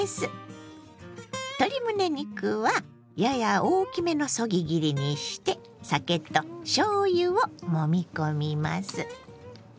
鶏むね肉はやや大きめのそぎ切りにして酒としょうゆをもみ込みます。